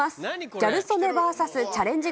ギャル曽根ＶＳチャレンジ